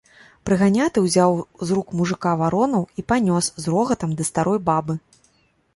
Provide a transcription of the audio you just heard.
Прыганяты ўзяў з рук мужыка варону і панёс з рогатам да старой бабы.